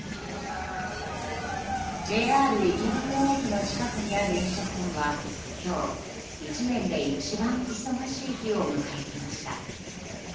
ＪＲ池袋駅の近くにある飲食店は今日、１年で一番忙しい日を迎えていました。